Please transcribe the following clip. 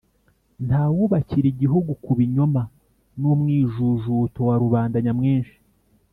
nta wubakira igihugu ku binyoma n'umwijujuto wa rubanda nyamwinshi.